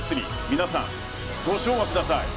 皆さん、ご唱和ください。